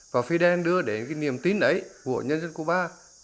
và fidel đưa đến cái niềm tin ấy của nhân dân cuba